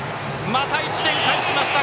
また１点返しました！